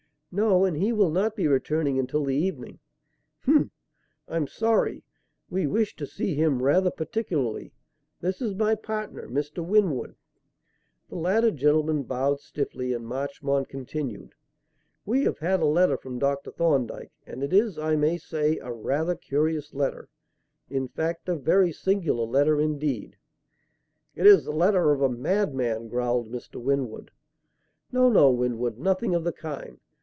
"No; and he will not be returning until the evening." "Hm; I'm sorry. We wished to see him rather particularly. This is my partner, Mr. Winwood." The latter gentleman bowed stiffly and Marchmont continued: "We have had a letter from Dr. Thorndyke, and it is, I may say, a rather curious letter; in fact, a very singular letter indeed." "It is the letter of a madman!" growled Mr. Winwood. "No, no, Winwood; nothing of the kind.